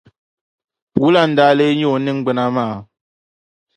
Wula n-daa leei nyɛ o ningbuna maa?